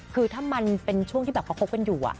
คือถ้ามันเป็นช่วงที่แบบเขาคบกันอยู่